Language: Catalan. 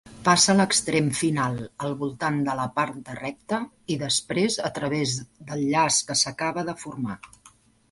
Passa l'extrem final al voltant de la part de recta, i després a través del llaç que s'acaba de formar.